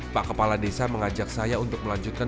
pak kepala desa mengajak saya untuk melanjutkan